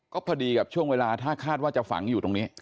ก็พอดีกับช่วงเวลาถ้าคาดว่าจะฝังอยู่ตรงนี้